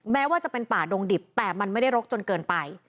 แม้ว่าจะเป็นป่าดงดิบแต่มันไม่ได้รกจนเกินไป